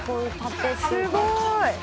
「すごい！」